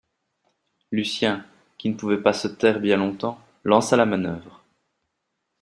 Lucien, qui ne pouvait pas se taire bien longtemps, lança la manœuvre